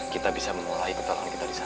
kita bisa memulai ketahanan kita di sana